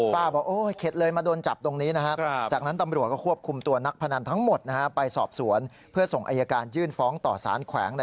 ป้าไม่มีทางได้หรอกนะ